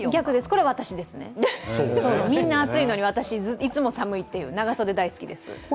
これは私ですね、みんな暑いのに私はいつも寒いという長袖大好きです。